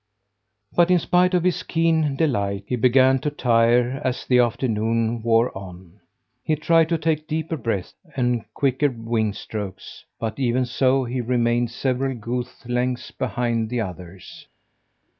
But in spite of his keen delight, he began to tire as the afternoon wore on. He tried to take deeper breaths and quicker wing strokes, but even so he remained several goose lengths behind the others.